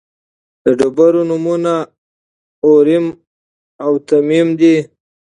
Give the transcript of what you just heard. د ډبرو نومونه اوریم او تمیم دي.